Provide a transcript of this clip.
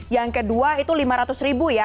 yang kedua itu lima ratus ribu ya